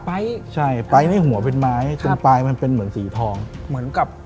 ใช่ไปไม่หัวเป็นไม้จนปลายมันเป็นเหมือนสีทองเหมือนกับ